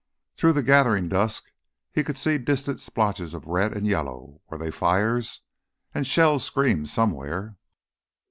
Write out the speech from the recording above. Through the gathering dusk he could see distant splotches of red and yellow were they fires? And shells screamed somewhere.